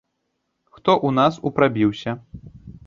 Хто ў нас у прабіўся?